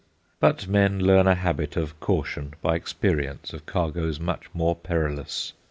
But men learn a habit of caution by experience of cargoes much more perilous.